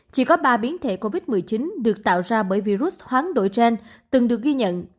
chỉ có ba biến thể covid một mươi chín được tạo ra bởi virus hoáng đổi trên từng được ghi nhận